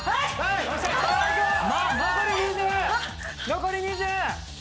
残り２０！